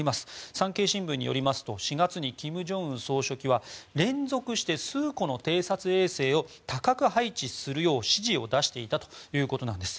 産経新聞によりますと４月に金正恩総書記は連続して数個の偵察衛星を多角配置するよう指示を出していたということなんです。